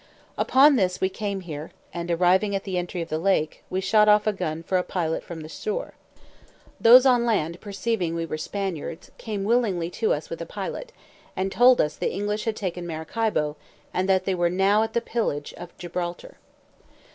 "Upon this we came here, and arriving at the entry of the lake, we shot off a gun for a pilot from the shore. Those on land perceiving we were Spaniards, came willingly to us with a pilot, and told us the English had taken Maracaibo, and that they were now at the pillage of Gibraltar.